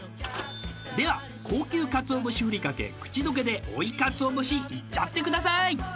では高級かつお節ふりかけ口どけで追いかつお節いっちゃってください！